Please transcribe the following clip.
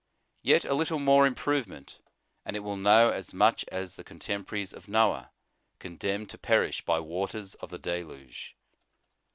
Yet a little more improvement and it will know as much as the contemporaries of Noah, condemned to perish by waters of the deluge.